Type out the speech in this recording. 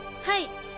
はい。